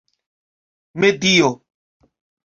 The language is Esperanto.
medio